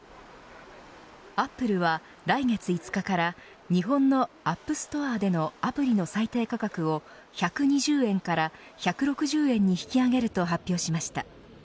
アップルは来月５日から日本のＡｐｐＳｔｏｒｅでのアプリの最低価格を１２０円から１６０円に引き上げると発表しました。